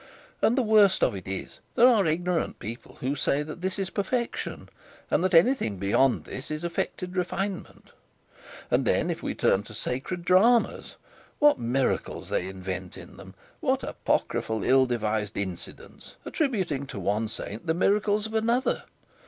And the worst of it is, there are ignorant people who say that this is perfection, and that anything beyond this is affected refinement. And then if we turn to sacred dramas what miracles they invent in them! What apocryphal, ill devised incidents, attributing to one saint the miracles of another!